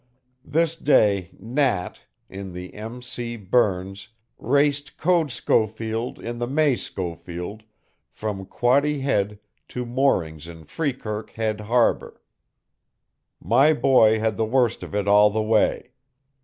This day Nat, in the M. C. Burns, raced Code Schofield in the May Schofield from Quoddy Head to moorings in Freekirk Head harbor. My boy had the worst of it all the way.